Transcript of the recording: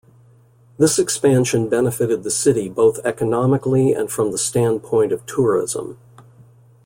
This expansion benefited the city both economically and from the standpoint of tourism.